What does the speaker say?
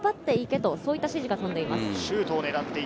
と、そういった指示が飛んでいます。